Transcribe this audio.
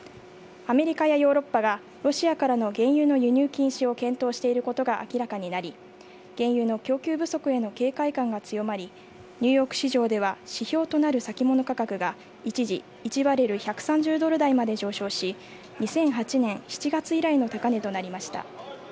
アメリカやヨーロッパがロシアからの原油の輸入禁止を検討していることが明らかになり、原油の供給不足への警戒感が強まり、ニューヨーク市場では、指標となる先物価格が一時１バレル１３０ドル台まで上昇し、２００８年７月以来の高値となりました。